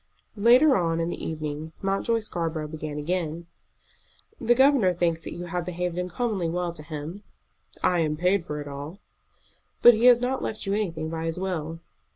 Later on in the evening Mountjoy Scarborough began again. "The governor thinks that you have behaved uncommonly well to him." "I am paid for it all." "But he has not left you anything by his will."